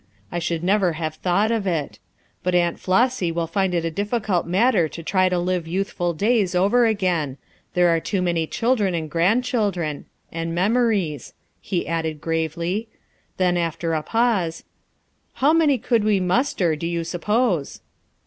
I should never have thought of it. But Aunt Flossy will find it a difficult matter to try to live youthful days over again; there are too many children and grandchildren; and memories," he added gravely. Then, after a pause : "How many could we muster, do you sup pose?"